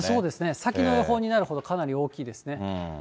先の予報になるほど、かなり大きいですね。